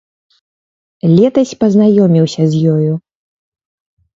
Летась пазнаёміўся з ёю.